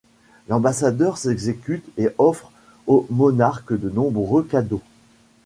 L'ambassadeur s'exécute et offre au monarque de nombreux cadeaux.